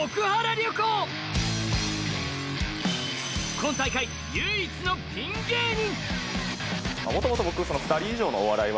今大会唯一のピン芸人。